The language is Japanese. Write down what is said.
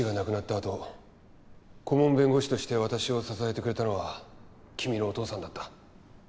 あと顧問弁護士として私を支えてくれたのは君のお父さんだった。